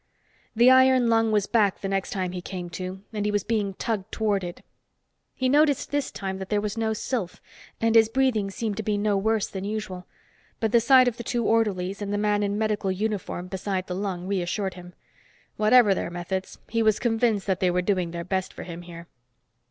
The iron lung was back the next time he came to, and he was being tugged toward it. He noticed this time that there was no sylph, and his breathing seemed to be no worse than usual. But the sight of the two orderlies and the man in medical uniform beside the lung reassured him. Whatever their methods, he was convinced that they were doing their best for him here.